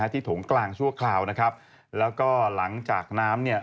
ซึ่งตอน๕โมง๔๕นะฮะทางหน่วยซิวได้มีการยุติการค้นหาที่